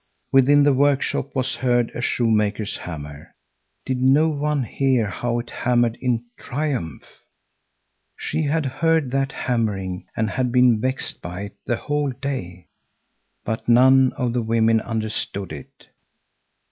Within the workshop was heard a shoemaker's hammer. Did no one hear how it hammered in triumph? She had heard that hammering and had been vexed by it the whole day. But none of the women understood it.